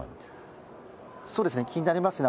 そうですね、気になりますね。